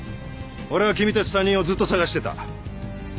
俺は君たち３人をずっと捜してた。